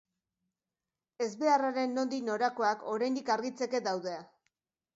Ezbeharraren nondik norakoak oraindik argitzeke daude.